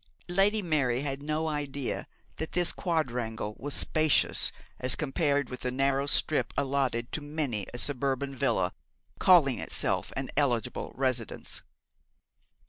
Lady Mary had no idea that this quadrangle was spacious as compared with the narrow strip allotted to many a suburban villa calling itself 'an eligible residence.'